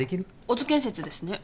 小津建設ですね。